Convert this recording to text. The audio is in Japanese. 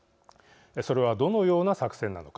それはどのような作戦なのか